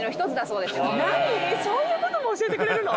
そういうことも教えてくれるの？